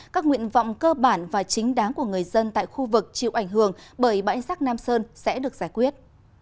các nguyện vọng cơ bản và chính đáng của người dân tại khu vực chịu ảnh hưởng bởi bãi giác nam sơn sẽ được giải quyết